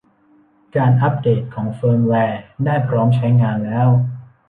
การอัพเดตของเฟิร์มแวร์ได้พร้อมใช้งานแล้ว